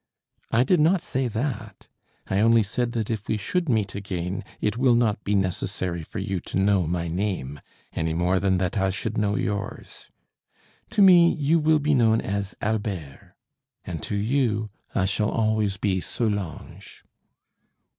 "I did not say that. I only said that if we should meet again it will not be necessary for you to know my name any more than that I should know yours. To me you will be known as Albert, and to you I shall always be Solange."